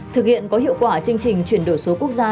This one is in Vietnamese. thực hiện có hiệu quả chương trình chuyển đổi số quốc gia